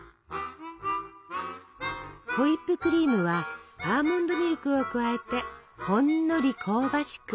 ホイップクリームはアーモンドミルクを加えてほんのり香ばしく。